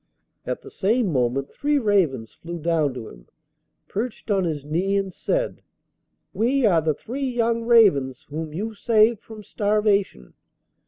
At the same moment three ravens flew down to him, perched on his knee and said, 'We are the three young ravens whom you saved from starvation.